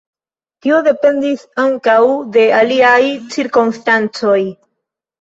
Tio dependis ankaŭ de aliaj cirkonstancoj.